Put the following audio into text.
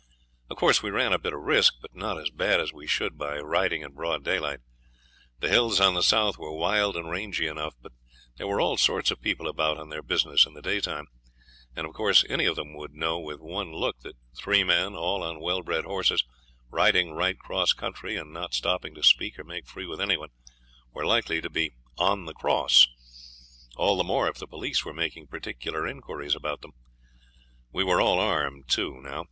Of course we ran a bit of a risk, but not as bad as we should by riding in broad daylight. The hills on the south were wild and rangy enough, but there were all sorts of people about on their business in the daytime; and of course any of them would know with one look that three men, all on well bred horses, riding right across country and not stopping to speak or make free with any one, were likely to be 'on the cross' all the more if the police were making particular inquiries about them. We were all armed, too, now.